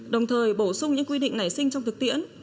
đồng thời bổ sung những quy định nảy sinh trong thực tiễn